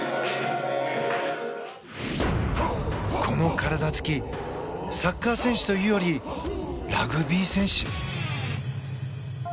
この体つきサッカー選手というよりラグビー選手。